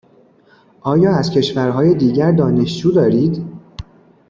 آیا از کشورهای دیگر دانشجو دارید؟